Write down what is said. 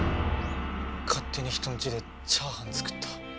勝手に人んちでチャーハン作った。